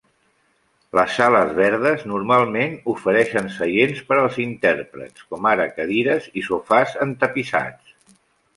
Les sales verdes normalment ofereixen seients per als intèrprets, com ara cadires i sofàs entapissats.